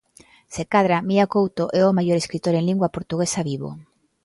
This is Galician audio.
Se cadra, Mia Couto é o maior escritor en lingua portuguesa vivo